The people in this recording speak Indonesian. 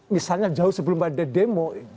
misalnya jauh sebelum ada demo